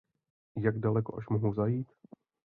Jak daleko až mohou zajít?